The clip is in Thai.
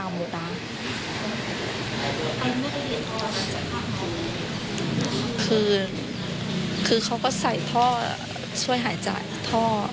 คุณหมอป้อมหัวใจตลอดคือคือเขาก็ใส่ท่อช่วยหายใจท่อ